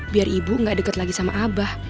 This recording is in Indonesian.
biar ibu gak deket lagi sama abah